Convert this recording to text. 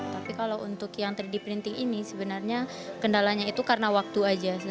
tapi kalau untuk yang tiga d printing ini sebenarnya kendalanya itu karena waktu aja